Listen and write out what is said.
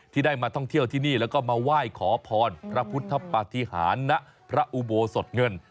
ที่ได้มาท่องเที่ยวที่นี่แล้วก็มาไหว้ขอพรพระพุทธปฏิหารณพระอุโบสถเงิน